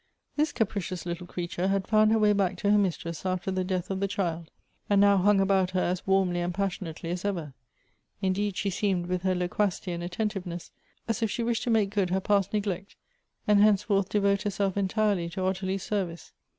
This capricious little creature had found her way back to her mistress after the death of the child, and now hung about her as warmly and passionately as ever; indeed she seemed, with her loquacity and attentiveness, as if she wished to make good her past neglect, and henceforth devote herself entirely to Ottilie's service.